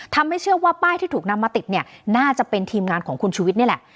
ทำให้เชื่อว่าป้ายที่ถูกนำมาติดเนี่ยน่าจะเป็นทีมงานของคุณชุวิตนี่แหละ